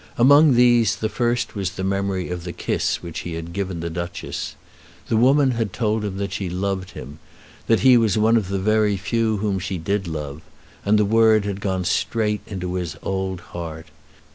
Among these the first was the memory of the kiss which he had given the Duchess. The woman had told him that she loved him, that he was one of the very few whom she did love, and the word had gone straight into his old heart.